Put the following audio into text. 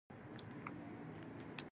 نجلۍ له خاموشۍ ژبه پوهېږي.